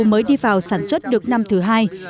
mới đi vào sản xuất được năm thứ hai